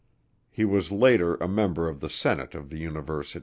He was later a member of the Senate of the University.